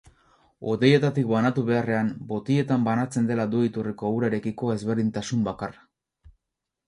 Hodietatik banatu beharrean botiletan banatzen dela du iturriko urarekiko ezberdintasun bakarra.